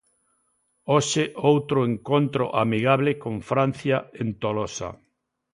Hoxe outro encontro amigable con Francia en Tolosa.